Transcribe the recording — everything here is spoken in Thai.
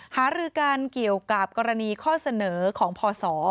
หารือกันเกี่ยวกับกรณีข้อเสนอของพศ